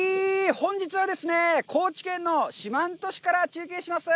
本日はですね、高知県の四万十市から中継します。